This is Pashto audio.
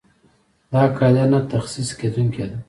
دا قاعده نه تخصیص کېدونکې ده.